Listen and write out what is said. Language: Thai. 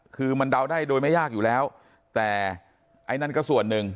คือมันเดาได้โดยไม่ยากอยู่แล้วแต่ไอ้นั่นก็ส่วนหนึ่ง